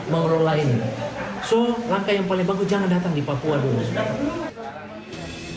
jadi langkah yang paling bagus jangan datang ke papua dulu